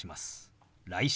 「来週」。